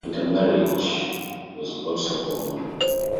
Intermarriage was also common.